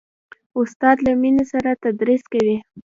استاد له مینې سره تدریس کوي.